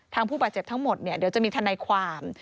ผู้บาดเจ็บทั้งหมดเนี่ยเดี๋ยวจะมีทนายความ